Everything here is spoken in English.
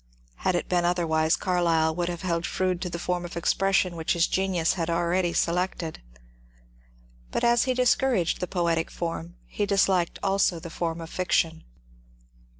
Had it been otherwise, Carlyle would have held Froude to the form of expression which his genius had already selected. But as he discouraged the poetic form, he disliked also the form of fiction.